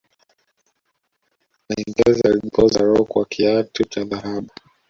waingereza walijipoza roho kwa kiatu cha dhahabu